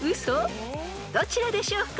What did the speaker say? ［どちらでしょうか？］